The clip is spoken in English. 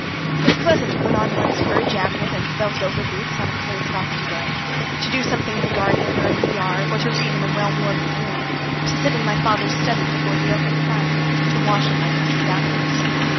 It's pleasant to put on one's fur jacket and felt overboots on a clear frosty day, to do something in the garden or in the yard, or to read in a well warmed room, to sit in my father's study before the open fire, to wash in my country bath house.